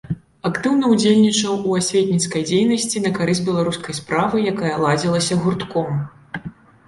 Актыўна ўдзельнічаў у асветніцкай дзейнасці на карысць беларускай справы, якая ладзілася гуртком.